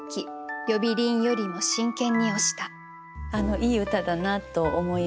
いい歌だなと思いました。